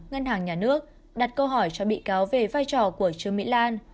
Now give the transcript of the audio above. đặt câu hỏi cho bị cáo về vai trò của trương mỹ lan